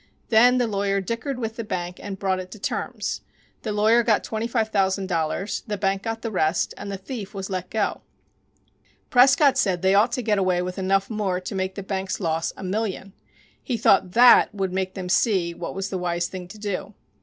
Then the lawyer dickered with the bank and brought it to terms. The lawyer got twenty five thousand dollars, the bank got the rest, and the thief was let go. Prescott said they ought to get away with enough more to make the bank's loss a million. He thought that would make them see what was the wise thing to do.